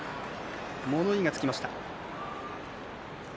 物言いがつきました。